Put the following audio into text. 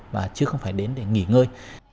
và chứ không phải đến để nghỉ ngơi